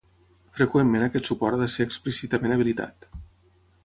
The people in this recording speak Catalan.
Freqüentment aquest suport ha de ser explícitament habilitat.